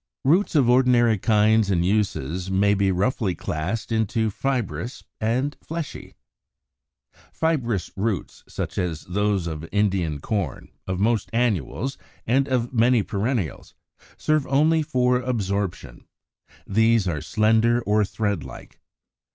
70. Roots of ordinary kinds and uses may be roughly classed into fibrous and fleshy. 71. =Fibrous Roots=, such as those of Indian Corn (Fig. 70), of most annuals, and of many perennials, serve only for absorption: these are slender or thread like.